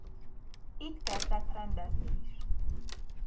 Itt kezdett rendezni is.